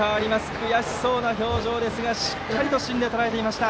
悔しそうな表情ですがしっかりと芯でとらえていました。